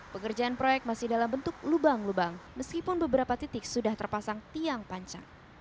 pengerjaan proyek masih dalam bentuk lubang lubang meskipun beberapa titik sudah terpasang tiang panjang